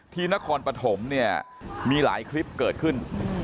นครปฐมเนี่ยมีหลายคลิปเกิดขึ้น